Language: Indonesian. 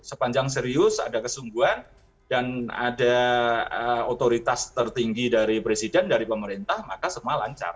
sepanjang serius ada kesungguhan dan ada otoritas tertinggi dari presiden dari pemerintah maka semua lancar